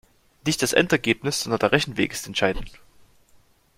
Nicht das Endergebnis, sondern der Rechenweg ist entscheidend.